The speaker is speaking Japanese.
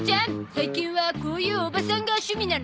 最近はこういうおばさんが趣味なの？